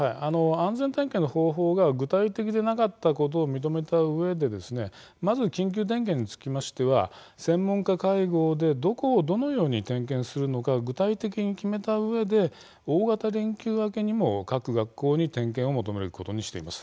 安全点検の方法が具体的でなかったことを認めたうえでまず、緊急点検につきましては専門家会合でどこをどのように点検するのか具体的に決めたうえで大型連休明けにも各学校に点検を求めることにしています。